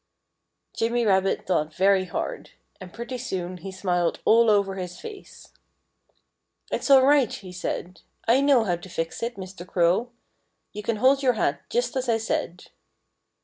Jimmy Rabbit thought very hard. And pretty soon he smiled all over his face. "It's all right!" he said. "I know how to fix it, Mr. Crow. You can hold your hat, just as I said."